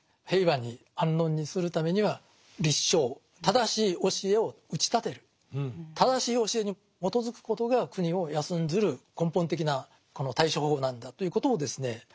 平和に安穏にするためには「立正」正しい教えを打ち立てる正しい教えに基づくことが国を安んずる根本的なこの対処方法なんだということをですね